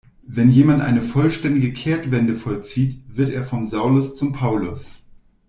Wenn jemand eine vollständige Kehrtwende vollzieht, wird er vom Saulus zum Paulus.